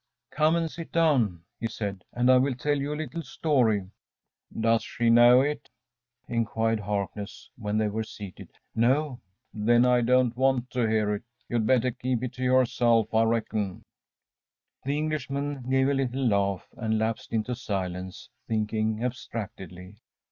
“Come and sit down,‚ÄĚ he said, “and I will tell you a little story.‚ÄĚ “Does she know it?‚ÄĚ enquired Harkness, when they were seated. ‚ÄúNo.‚ÄĚ “Then I don't want to hear it! You'd better keep it to yourself, I reckon.‚ÄĚ The Englishman gave a little laugh, and lapsed into silence thinking abstractedly.